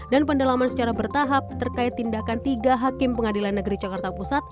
dan pendalaman secara bertahap terkait tindakan tiga hakim pengadilan negeri jakarta pusat